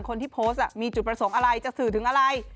คนที่โพสต์มีจุดประสงค์อะไรจะสื่อถึงอะไร